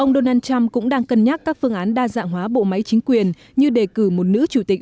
ông donald trump cũng đang cân nhắc các phương án đa dạng hóa bộ máy chính quyền như đề cử một nữ chủ tịch